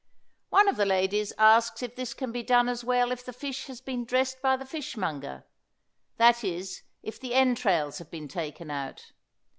One of the ladies asks if this can be done as well if the fish has been dressed by the fishmonger; that is, if the entrails have been taken out.